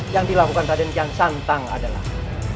yang dilakukan pada niyang santang adalah